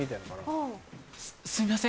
はい？